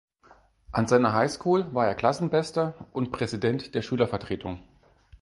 An seiner High School war er Klassenbester und Präsident der Schülervertretung.